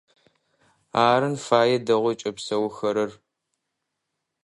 Арын фае дэгъоу зыкӀэпсэухэрэр.